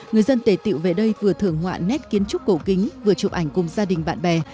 người dân tề tiệu về đây vừa thưởng họa nét kiến trúc cổ kính vừa chụp ảnh cùng gia đình bạn bè